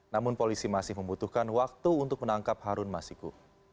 namun polisi masih membutuhkan waktu untuk menangkap harun masiku